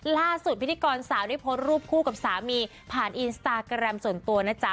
พิธีกรสาวได้โพสต์รูปคู่กับสามีผ่านอินสตาแกรมส่วนตัวนะจ๊ะ